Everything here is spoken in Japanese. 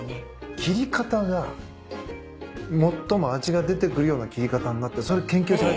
切り方が最も味が出てくるような切り方になってそれ研究された？